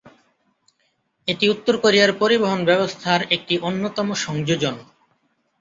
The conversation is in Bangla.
এটি উত্তর কোরিয়ার পরিবহন ব্যবস্থার একটি অন্যতম সংযোজন।